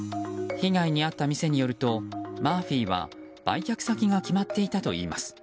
被害に遭った店によるとマーフィーは売却先が決まっていたといいます。